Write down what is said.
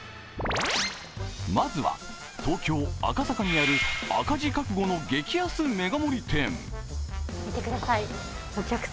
まずは東京・赤坂にある、赤字覚悟の激安メガ盛り店。